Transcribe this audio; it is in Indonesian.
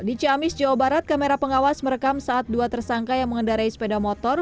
di ciamis jawa barat kamera pengawas merekam saat dua tersangka yang mengendarai sepeda motor